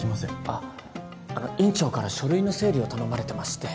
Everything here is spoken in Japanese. あっあの院長から書類の整理を頼まれてまして。